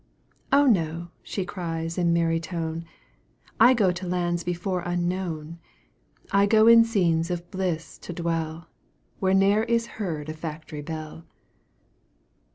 "Oh no," she cries in merry tone, "I go to lands before unknown; I go in scenes of bliss to dwell, Where ne'er is heard a factory bell."